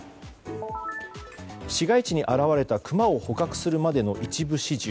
市街地に現れたクマを捕獲するまでの一部始終。